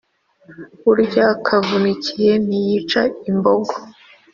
burya kavunike ntiyica imbogo